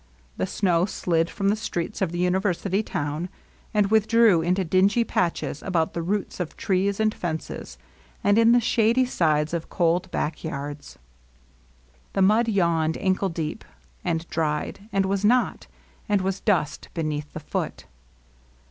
The snow slid from the streets of the imiversity town, and with drew into dingy patches about the roots of trees and fences, and in the shady sides of cold back yards. The mud yawned ankle deep, and dried, and was not, and was dust beneath the foot.